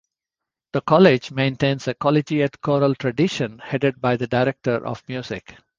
The college maintains a collegiate choral tradition, headed by the director of music.